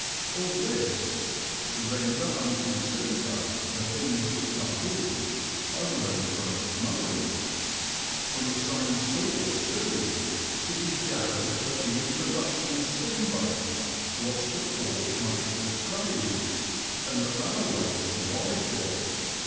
All this, to render unto Cæsar the things which are his, I learn from "Murray." From the same source, too, it is gathered that the introduction of steamboats lost the port much of its trade, and that railways revived it.